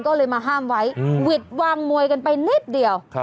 ก็เลยมาห้ามไว้หวิดวางมวยกันไปนิดเดียว